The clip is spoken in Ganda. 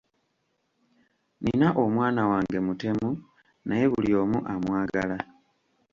Nina omwana wange mutemu naye buli omu amwagala.